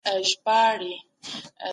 پوهنه سته.